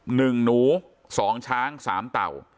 หนึ่งหนูสองช้างสามเต่า